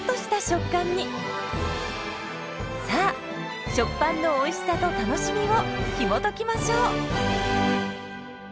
さあ「食パン」のおいしさと楽しみをひもときましょう！